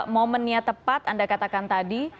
momennya tepat anda katakan tadi